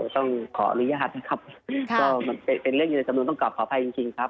ต้องขออนุญาตนะครับ